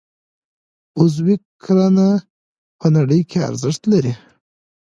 عضوي کرنه په نړۍ کې ارزښت لري